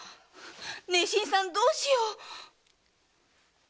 ねえ新さんどうしよう！